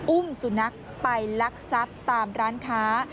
อุ้มสุนัขไปลักทรัพย์ตามร้านค้า